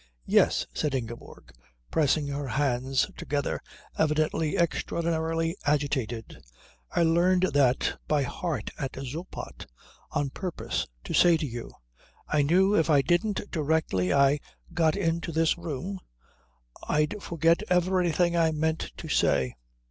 "Yes," said Ingeborg, pressing her hands together, evidently extraordinarily agitated. "I learned that by heart at Zoppot, on purpose to say to you. I knew if I didn't directly I got into this room I'd forget everything I meant to say.